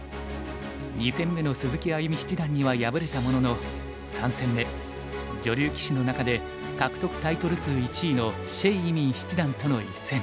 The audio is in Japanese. ２戦目の鈴木歩七段には敗れたものの３戦目女流棋士の中で獲得タイトル数１位の謝依旻七段との一戦。